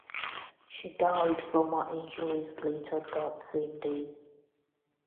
She died from her injuries later that same day.